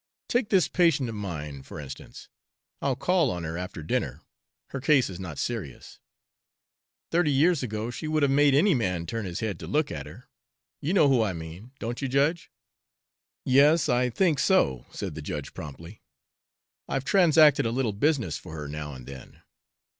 Take this patient of mine, for instance, I'll call on her after dinner, her case is not serious, thirty years ago she would have made any man turn his head to look at her. You know who I mean, don't you, judge?" "Yes. I think so," said the judge promptly. "I've transacted a little business for her now and then."